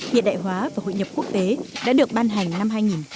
hiện đại hóa và hội nhập quốc tế đã được ban hành năm hai nghìn một mươi ba